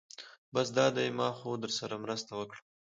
بس دا دی ما خو درسره مرسته وکړه.